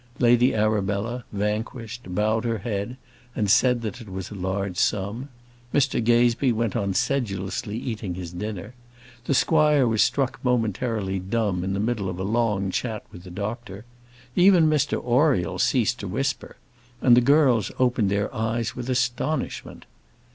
Lady Arabella, vanquished, bowed her head, and said that it was a large sum; Mr Gazebee went on sedulously eating his dinner; the squire was struck momentarily dumb in the middle of a long chat with the doctor; even Mr Oriel ceased to whisper; and the girls opened their eyes with astonishment.